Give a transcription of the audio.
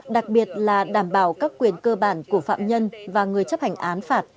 đặc biệt là đảm bảo các quyền cơ bản của phạm nhân và người chấp hành án phạt